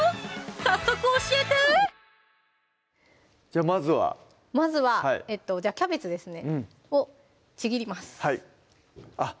早速教えてじゃあまずはまずはキャベツですねをちぎりますあっ